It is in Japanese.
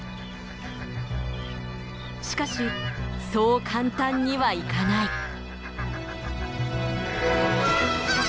しかしそう簡単にはいかない。